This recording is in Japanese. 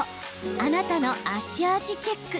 あなたの足アーチチェック！